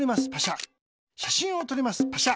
パシャ。